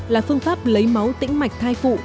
là phương pháp lấy máu tĩnh mạch thai phụ